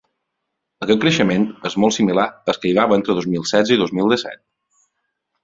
Aquest creixement és molt similar al que hi va haver entre dos mil setze i dos mil disset.